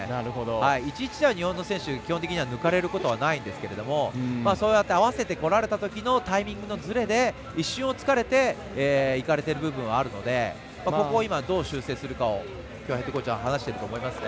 １対１だと日本の選手抜かれることはありませんがそうやって合わせてこられたときのタイミングのずれで一瞬をつかれていかれている部分があるのでどう修正するかを京谷コーチは話していると思いますね。